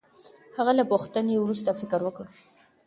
هغه له پوښتنې وروسته فکر وکړ.